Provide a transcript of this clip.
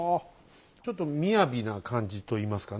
ちょっと雅な感じといいますかね。